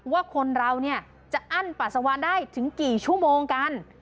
ว่าคนเราเนี่ยจะอั้นปัสสาวะได้ถึงกี่ชั่วโมงกัน